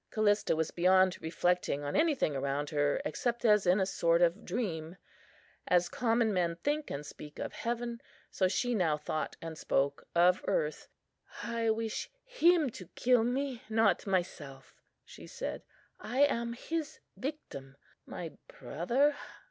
Callista was beyond reflecting on anything around her, except as in a sort of dream. As common men think and speak of heaven, so she now thought and spoke of earth. "I wish Him to kill me, not myself," she said. "I am His victim. My brother!